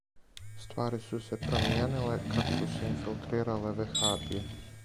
Ствари су се промијениле кад су се инфилтрирале вехабије.